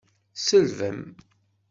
Tselbem!